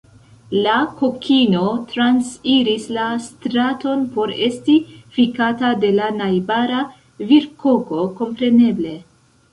La kokino transiris la straton por esti fikata de la najbara virkoko, kompreneble.